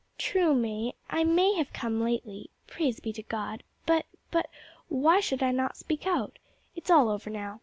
"True, May, I might have come lately praise be to God! but, but why should I not speak out? It's all over now.